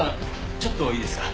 ちょっといいですか？